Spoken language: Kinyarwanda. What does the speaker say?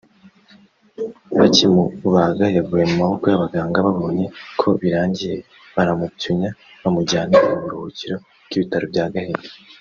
Bakimubaga yaguye mu maboko y’abaganga babonye ko birangiye baramupyunya bamujyana mu buruhukiro bw’ibitaro bya Gahini